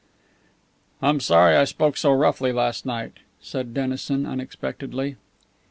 "I'm sorry I spoke so roughly last night," said Dennison, unexpectedly.